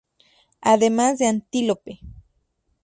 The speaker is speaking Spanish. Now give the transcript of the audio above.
Además de antílope.